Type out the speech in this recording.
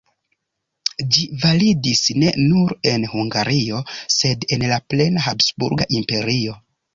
Ĝi validis ne nur en Hungario, sed en la plena Habsburga Imperio.